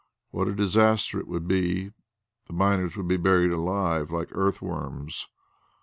What a disaster it would be. The miners would be buried alive like earth worms.